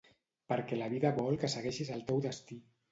Perquè la vida vol que segueixis el teu destí.